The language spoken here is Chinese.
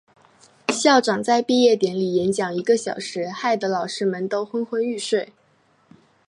校长在毕业典礼演讲一个小时，害得老师们都昏昏欲睡。